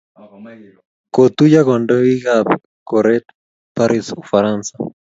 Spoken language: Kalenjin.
kotuiyo kandoikab koret paris, ufaransa